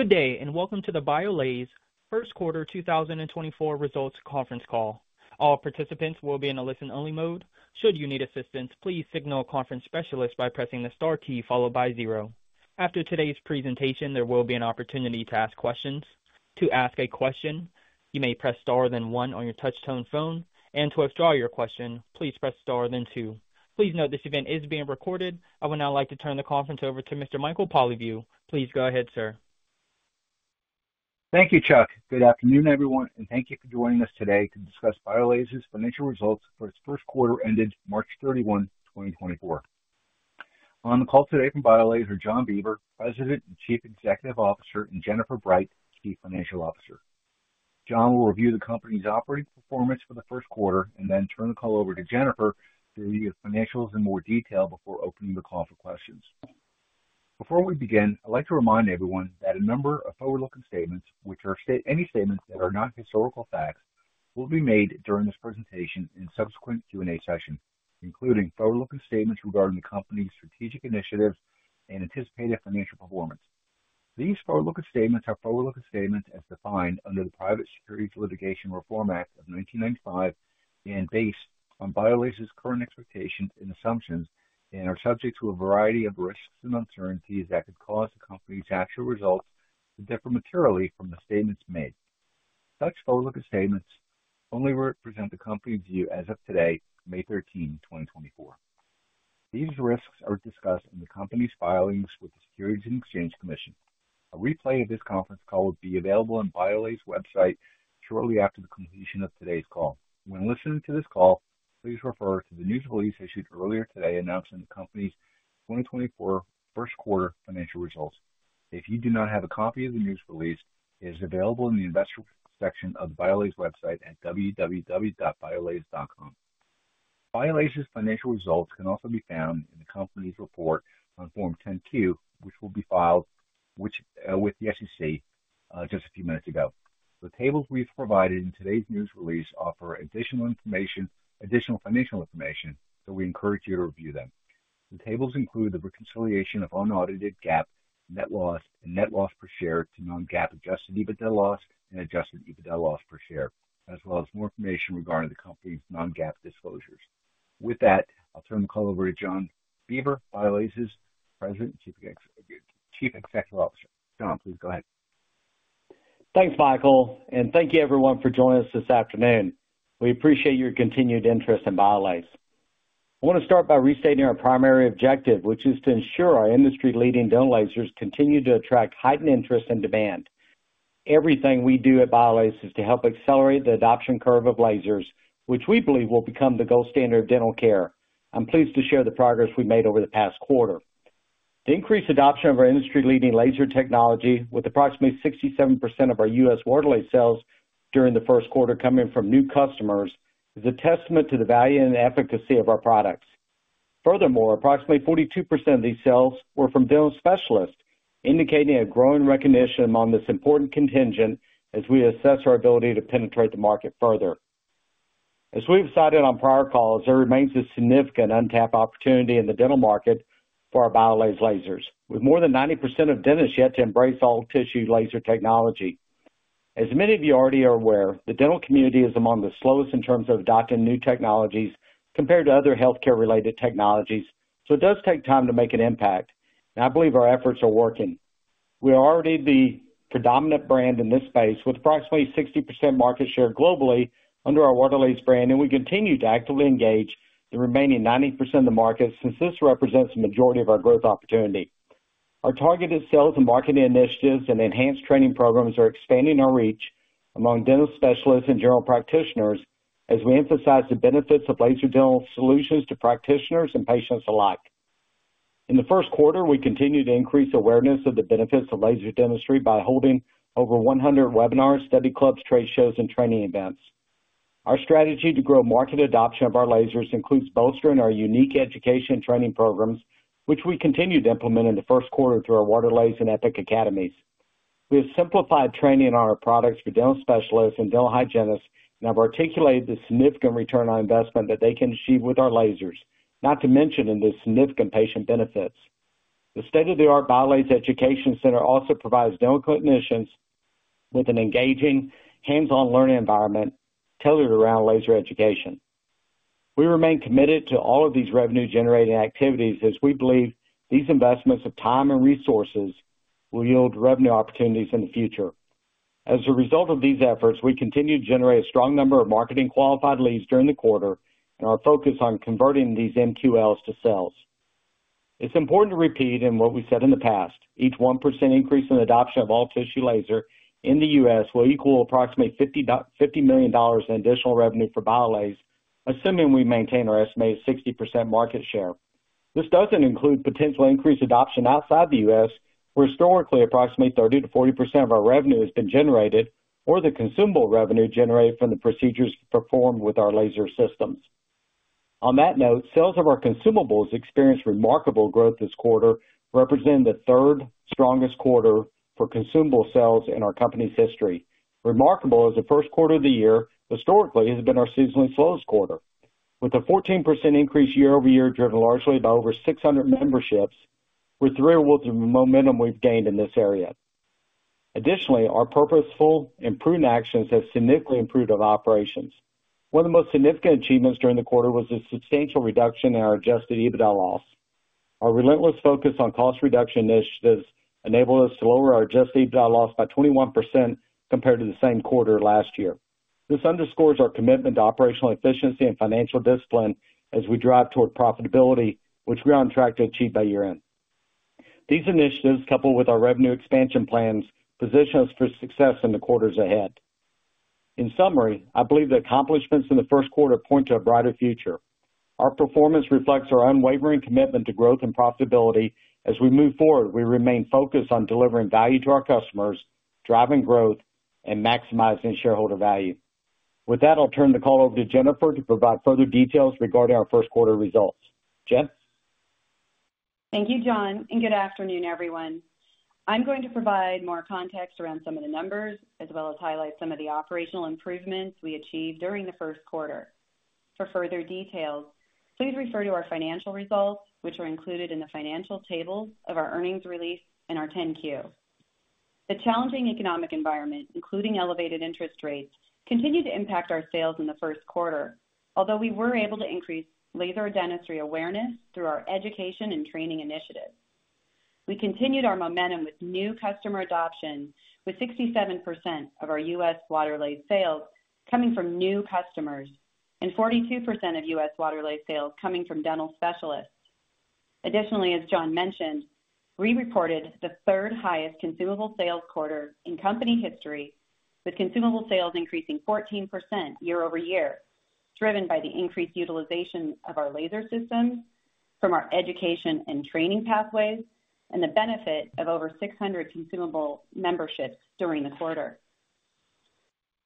Good day and welcome to the BIOLASE First Quarter 2024 Results Conference Call. All participants will be in a listen-only mode. Should you need assistance, please signal a conference specialist by pressing the star key followed by zero. After today's presentation, there will be an opportunity to ask questions. To ask a question, you may press star then one on your touch-tone phone, and to withdraw your question, please press star then two. Please note this event is being recorded. I would now like to turn the conference over to Mr. Michael Polyviou. Please go ahead, sir. Thank you, Chuck. Good afternoon, everyone, and thank you for joining us today to discuss BIOLASE's financial results for its first quarter ended March 31, 2024. On the call today from BIOLASE are John Beaver, President and Chief Executive Officer, and Jennifer Bright, Chief Financial Officer. John will review the company's operating performance for the first quarter and then turn the call over to Jennifer to review the financials in more detail before opening the call for questions. Before we begin, I'd like to remind everyone that a number of forward-looking statements, which are any statements that are not historical facts, will be made during this presentation and subsequent Q&A session, including forward-looking statements regarding the company's strategic initiatives and anticipated financial performance. These forward-looking statements are forward-looking statements as defined under the Private Securities Litigation Reform Act of 1995 and based on BIOLASE's current expectations and assumptions and are subject to a variety of risks and uncertainties that could cause the company's actual results to differ materially from the statements made. Such forward-looking statements only represent the company's view as of today, May 13, 2024. These risks are discussed in the company's filings with the Securities and Exchange Commission. A replay of this conference call will be available on BIOLASE's website shortly after the completion of today's call. When listening to this call, please refer to the news release issued earlier today announcing the company's 2024 first quarter financial results. If you do not have a copy of the news release, it is available in the investor section of the BIOLASE website at www.biolase.com. BIOLASE's financial results can also be found in the company's report on Form 10-Q, which will be filed with the SEC just a few minutes ago. The tables we've provided in today's news release offer additional financial information, so we encourage you to review them. The tables include the reconciliation of unaudited GAAP net loss, and net loss per share to non-GAAP adjusted EBITDA loss and adjusted EBITDA loss per share, as well as more information regarding the company's non-GAAP disclosures. With that, I'll turn the call over to John Beaver, BIOLASE's President and Chief Executive Officer. John, please go ahead. Thanks, Michael, and thank you, everyone, for joining us this afternoon. We appreciate your continued interest in BIOLASE. I want to start by restating our primary objective, which is to ensure our industry-leading dental lasers continue to attract heightened interest and demand. Everything we do at BIOLASE is to help accelerate the adoption curve of lasers, which we believe will become the gold standard of dental care. I'm pleased to share the progress we've made over the past quarter. The increased adoption of our industry-leading laser technology, with approximately 67% of our U.S. Waterlase sales during the first quarter coming from new customers, is a testament to the value and efficacy of our products. Furthermore, approximately 42% of these sales were from dental specialists, indicating a growing recognition among this important contingent as we assess our ability to penetrate the market further. As we've cited on prior calls, there remains a significant untapped opportunity in the dental market for our BIOLASE lasers, with more than 90% of dentists yet to embrace all-tissue laser technology. As many of you already are aware, the dental community is among the slowest in terms of adopting new technologies compared to other healthcare-related technologies, so it does take time to make an impact, and I believe our efforts are working. We are already the predominant brand in this space, with approximately 60% market share globally under our Waterlase brand, and we continue to actively engage the remaining 90% of the market since this represents the majority of our growth opportunity. Our targeted sales and marketing initiatives and enhanced training programs are expanding our reach among dental specialists and general practitioners as we emphasize the benefits of laser dental solutions to practitioners and patients alike. In the first quarter, we continued to increase awareness of the benefits of laser dentistry by holding over 100 webinars, study clubs, trade shows, and training events. Our strategy to grow market adoption of our lasers includes bolstering our unique education and training programs, which we continued to implement in the first quarter through our Waterlase and Epic academies. We have simplified training on our products for dental specialists and dental hygienists, and I've articulated the significant return on investment that they can achieve with our lasers, not to mention the significant patient benefits. The state-of-the-art BIOLASE Education Center also provides dental clinicians with an engaging, hands-on learning environment tailored around laser education. We remain committed to all of these revenue-generating activities as we believe these investments of time and resources will yield revenue opportunities in the future. As a result of these efforts, we continue to generate a strong number of marketing qualified leads during the quarter and are focused on converting these MQLs to sales. It's important to repeat in what we said in the past: each 1% increase in adoption of all-tissue laser in the U.S. will equal approximately $50 million in additional revenue for BIOLASE, assuming we maintain our estimated 60% market share. This doesn't include potential increased adoption outside the U.S., where historically approximately 30%-40% of our revenue has been generated or the consumable revenue generated from the procedures performed with our laser systems. On that note, sales of our consumables experienced remarkable growth this quarter, representing the third strongest quarter for consumable sales in our company's history. Remarkable is the first quarter of the year historically has been our seasonally slowest quarter. With a 14% increase year-over-year driven largely by over 600 memberships, we're thrilled with the momentum we've gained in this area. Additionally, our purposeful, improved actions have significantly improved our operations. One of the most significant achievements during the quarter was a substantial reduction in our Adjusted EBITDA loss. Our relentless focus on cost reduction initiatives enabled us to lower our Adjusted EBITDA loss by 21% compared to the same quarter last year. This underscores our commitment to operational efficiency and financial discipline as we drive toward profitability, which we are on track to achieve by year-end. These initiatives, coupled with our revenue expansion plans, position us for success in the quarters ahead. In summary, I believe the accomplishments in the first quarter point to a brighter future. Our performance reflects our unwavering commitment to growth and profitability as we move forward. We remain focused on delivering value to our customers, driving growth, and maximizing shareholder value. With that, I'll turn the call over to Jennifer to provide further details regarding our first quarter results. Jen? Thank you, John, and good afternoon, everyone. I'm going to provide more context around some of the numbers as well as highlight some of the operational improvements we achieved during the first quarter. For further details, please refer to our financial results, which are included in the financial tables of our earnings release and our 10-Q. The challenging economic environment, including elevated interest rates, continued to impact our sales in the first quarter, although we were able to increase laser dentistry awareness through our education and training initiatives. We continued our momentum with new customer adoption, with 67% of our U.S. Waterlase sales coming from new customers and 42% of U.S. Waterlase sales coming from dental specialists. Additionally, as John mentioned, we reported the third highest consumable sales quarter in company history, with consumable sales increasing 14% year-over-year, driven by the increased utilization of our laser systems from our education and training pathways and the benefit of over 600 consumable memberships during the quarter.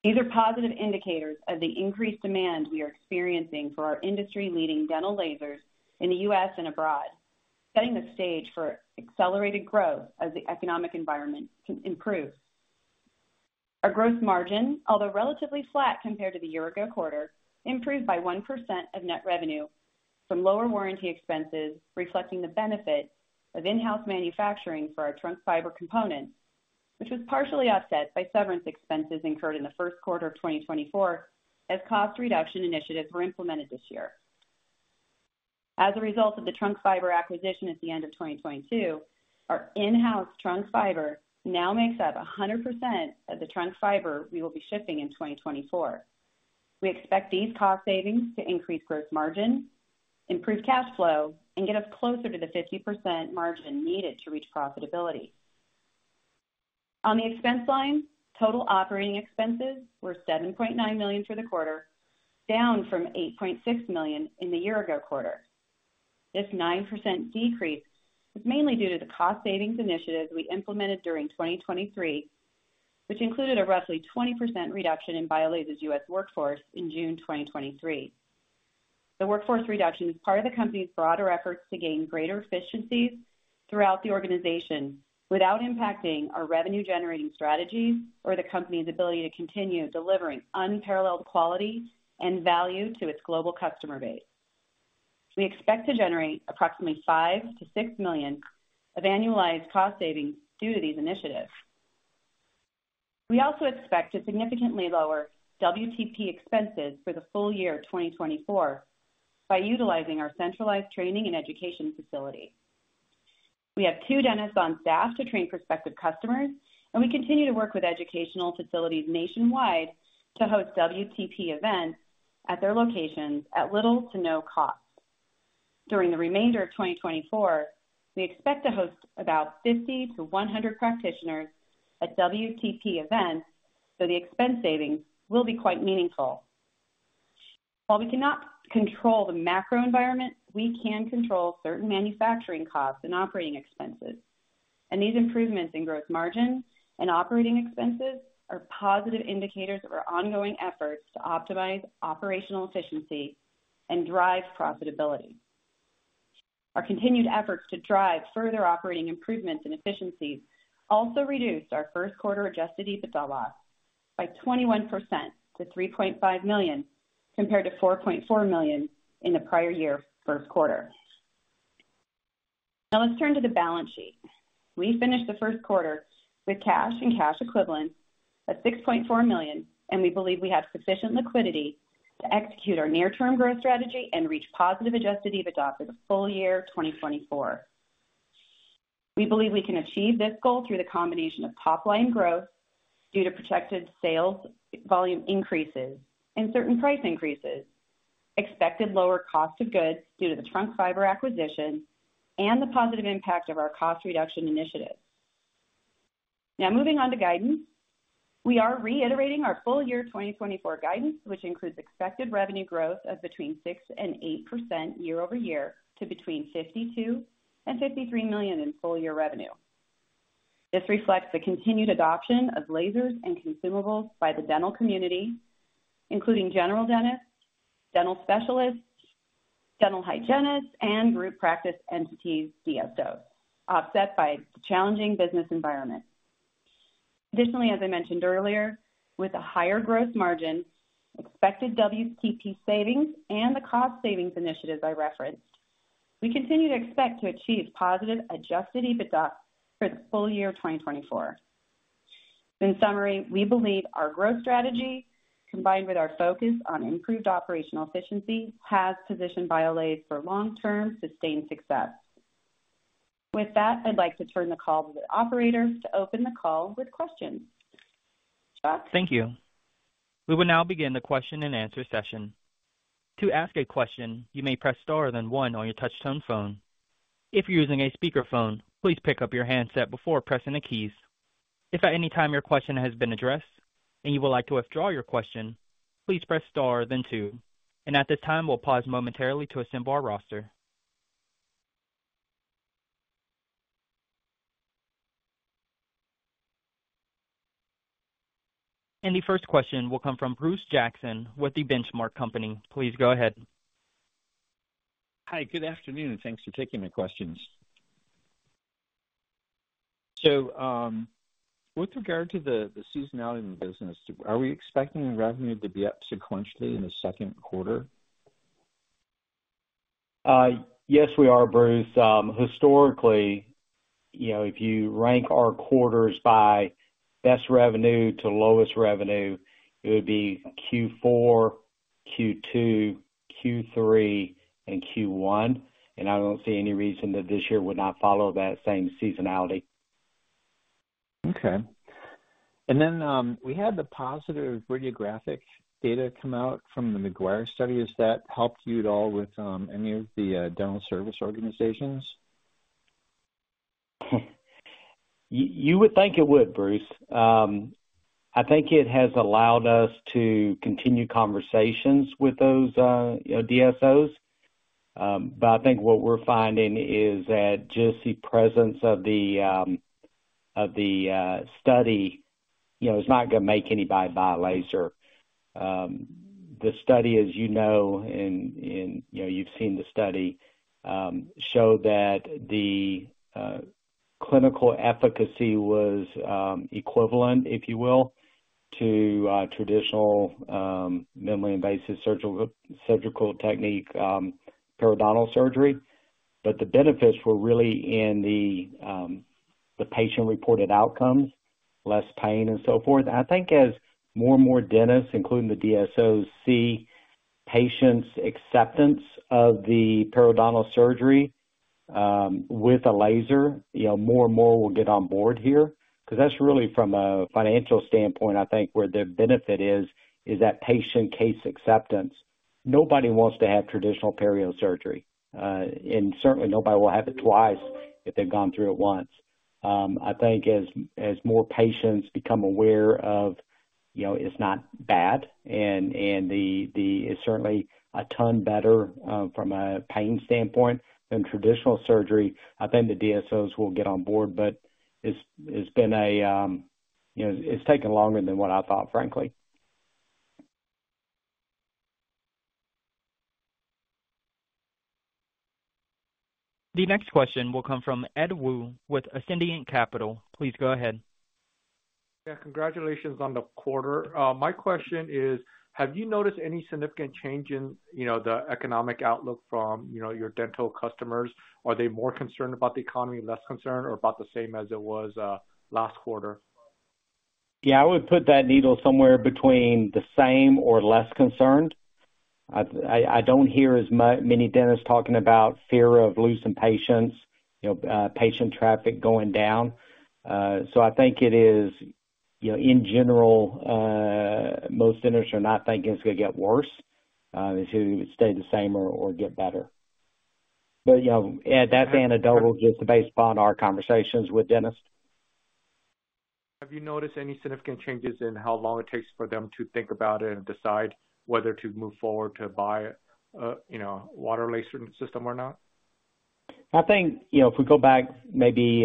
These are positive indicators of the increased demand we are experiencing for our industry-leading dental lasers in the U.S. and abroad, setting the stage for accelerated growth as the economic environment improves. Our gross margin, although relatively flat compared to the year-ago quarter, improved by 1% of net revenue from lower warranty expenses, reflecting the benefit of in-house manufacturing for our trunk fiber components, which was partially offset by severance expenses incurred in the first quarter of 2024 as cost reduction initiatives were implemented this year. As a result of the trunk fiber acquisition at the end of 2022, our in-house trunk fiber now makes up 100% of the trunk fiber we will be shipping in 2024. We expect these cost savings to increase growth margin, improve cash flow, and get us closer to the 50% margin needed to reach profitability. On the expense line, total operating expenses were $7.9 million for the quarter, down from $8.6 million in the year-ago quarter. This 9% decrease was mainly due to the cost savings initiatives we implemented during 2023, which included a roughly 20% reduction in BIOLASE's U.S. workforce in June 2023. The workforce reduction is part of the company's broader efforts to gain greater efficiencies throughout the organization without impacting our revenue-generating strategies or the company's ability to continue delivering unparalleled quality and value to its global customer base. We expect to generate approximately $5-$6 million of annualized cost savings due to these initiatives. We also expect to significantly lower WTP expenses for the full year of 2024 by utilizing our centralized training and education facility. We have two dentists on staff to train prospective customers, and we continue to work with educational facilities nationwide to host WTP events at their locations at little to no cost. During the remainder of 2024, we expect to host about 50-100 practitioners at WTP events, so the expense savings will be quite meaningful. While we cannot control the macro environment, we can control certain manufacturing costs and operating expenses, and these improvements in growth margin and operating expenses are positive indicators of our ongoing efforts to optimize operational efficiency and drive profitability. Our continued efforts to drive further operating improvements and efficiencies also reduced our first quarter Adjusted EBITDA loss by 21% to $3.5 million compared to $4.4 million in the prior year's first quarter. Now let's turn to the balance sheet. We finished the first quarter with cash and cash equivalents of $6.4 million, and we believe we have sufficient liquidity to execute our near-term growth strategy and reach positive Adjusted EBITDA for the full year of 2024. We believe we can achieve this goal through the combination of top-line growth due to projected sales volume increases and certain price increases, expected lower cost of goods due to the Trunk fiber acquisition, and the positive impact of our cost reduction initiatives. Now moving on to guidance, we are reiterating our full year 2024 guidance, which includes expected revenue growth of between 6%-8% year-over-year to between $52-$53 million in full-year revenue. This reflects the continued adoption of lasers and consumables by the dental community, including general dentists, dental specialists, dental hygienists, and group practice entities (DSOs) offset by the challenging business environment. Additionally, as I mentioned earlier, with a higher growth margin, expected WTP savings, and the cost savings initiatives I referenced, we continue to expect to achieve positive Adjusted EBITDA for the full year of 2024. In summary, we believe our growth strategy, combined with our focus on improved operational efficiency, has positioned BIOLASE for long-term sustained success. With that, I'd like to turn the call to the operator to open the call with questions. Chuck? Thank you. We will now begin the question-and-answer session. To ask a question, you may press star then one on your touch-tone phone. If you're using a speakerphone, please pick up your handset before pressing the keys. If at any time your question has been addressed and you would like to withdraw your question, please press star then two, and at this time we'll pause momentarily to assemble our roster. The first question will come from Bruce Jackson with the Benchmark Company. Please go ahead. Hi. Good afternoon. Thanks for taking my questions. With regard to the seasonality in the business, are we expecting revenue to be up sequentially in the second quarter? Yes, we are, Bruce. Historically, if you rank our quarters by best revenue to lowest revenue, it would be Q4, Q2, Q3, and Q1, and I don't see any reason that this year would not follow that same seasonality. Okay. And then we had the positive radiographic data come out from the McGuire study. Has that helped you at all with any of the dental service organizations? You would think it would, Bruce. I think it has allowed us to continue conversations with those DSOs, but I think what we're finding is that just the presence of the study is not going to make anybody buy laser. The study, as you know and you've seen the study, showed that the clinical efficacy was equivalent, if you will, to traditional minimally invasive surgical technique, periodontal surgery, but the benefits were really in the patient-reported outcomes, less pain, and so forth. I think as more and more dentists, including the DSOs, see patients' acceptance of the periodontal surgery with a laser, more and more will get on board here because that's really, from a financial standpoint, I think where the benefit is that patient case acceptance. Nobody wants to have traditional perio surgery, and certainly nobody will have it twice if they've gone through it once. I think as more patients become aware of it's not bad and it's certainly a ton better from a pain standpoint than traditional surgery, I think the DSOs will get on board, but it's been, it's taken longer than what I thought, frankly. The next question will come from Edward Woo with Ascendiant Capital. Please go ahead. Yeah. Congratulations on the quarter. My question is, have you noticed any significant change in the economic outlook from your dental customers? Are they more concerned about the economy, less concerned, or about the same as it was last quarter? Yeah. I would put that needle somewhere between the same or less concerned. I don't hear as many dentists talking about fear of losing patients, patient traffic going down. So I think it is, in general, most dentists are not thinking it's going to get worse. It's either stay the same or get better. But yeah, that's anecdotal just based upon our conversations with dentists. Have you noticed any significant changes in how long it takes for them to think about it and decide whether to move forward to buy a Waterlase system or not? I think if we go back maybe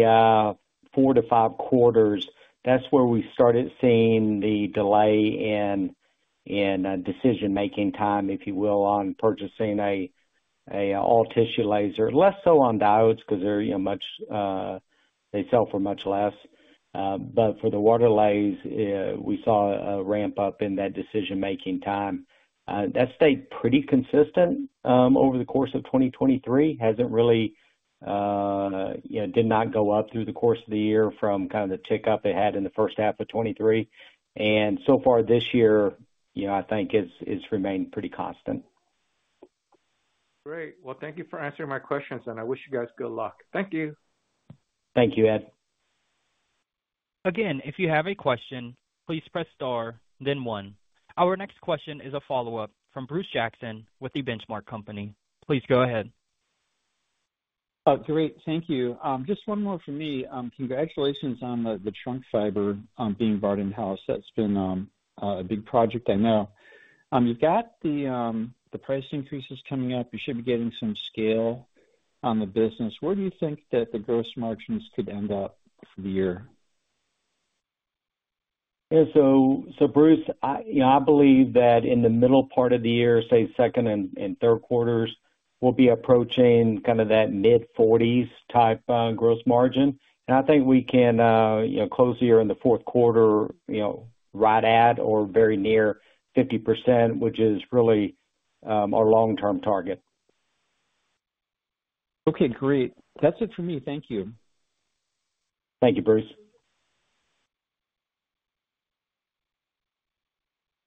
four to five quarters, that's where we started seeing the delay in decision-making time, if you will, on purchasing an all-tissue laser, less so on diodes because they're much they sell for much less. But for the Waterlase, we saw a ramp-up in that decision-making time. That stayed pretty consistent over the course of 2023, hasn't really did not go up through the course of the year from kind of the tick-up it had in the first half of 2023. And so far this year, I think, has remained pretty constant. Great. Well, thank you for answering my questions, and I wish you guys good luck. Thank you. Thank you, Ed. Again, if you have a question, please press star then one. Our next question is a follow-up from Bruce Jackson with The Benchmark Company. Please go ahead. Oh, great. Thank you. Just one more from me. Congratulations on the trunk fiber being bought in-house. That's been a big project, I know. You've got the price increases coming up. You should be getting some scale on the business. Where do you think that the gross margins could end up for the year? Yeah. So, Bruce, I believe that in the middle part of the year, say second and third quarters, we'll be approaching kind of that mid-40s type gross margin. And I think we can close the year in the fourth quarter right at or very near 50%, which is really our long-term target. Okay. Great. That's it from me. Thank you. Thank you, Bruce.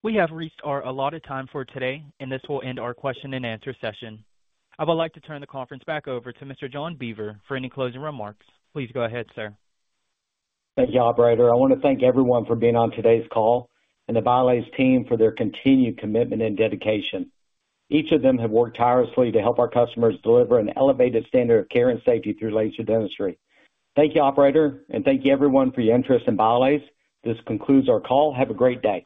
We have reached our allotted time for today, and this will end our question-and-answer session. I would like to turn the conference back over to Mr. John Beaver for any closing remarks. Please go ahead, sir. Thank you, operator. I want to thank everyone for being on today's call and the BIOLASE team for their continued commitment and dedication. Each of them have worked tirelessly to help our customers deliver an elevated standard of care and safety through laser dentistry. Thank you, operator, and thank you, everyone, for your interest in BIOLASE. This concludes our call. Have a great day.